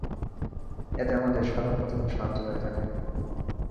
এতে আমাদের সাধনপথে খুব সাহায্য হয়ে থাকে।